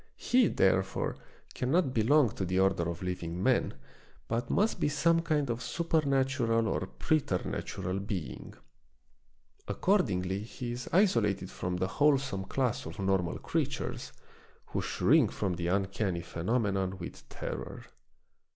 He, therefore, cannot belong to the order of living men, but must be some kind of supernatural or preternatural being. Accordingly he is isolated from the wholesome class of normal creatures, who shrink from the uncanny phenomenon with terror.